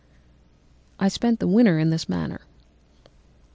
_ "I spent the winter in this manner.